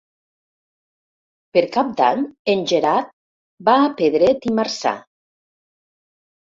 Per Cap d'Any en Gerard va a Pedret i Marzà.